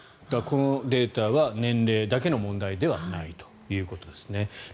このデータは年齢だけの問題ではないということですね。